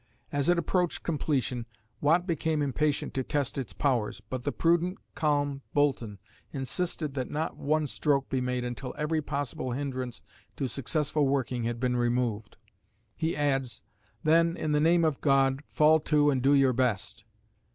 As it approached completion, Watt became impatient to test its powers, but the prudent, calm Boulton insisted that not one stroke be made until every possible hindrance to successful working had been removed. He adds, "then, in the name of God, fall to and do your best."